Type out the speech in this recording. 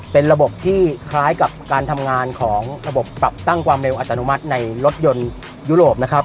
เป็นระบบที่คล้ายกับการทำงานของระบบปรับตั้งความเร็วอัตโนมัติในรถยนต์ยุโรปนะครับ